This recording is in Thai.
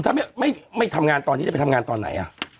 ถ้าไม่ทำงานตอนนี้จะไปทำงานตอนไหน